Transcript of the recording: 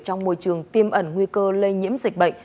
trong môi trường tiêm ẩn nguy cơ lây nhiễm dịch bệnh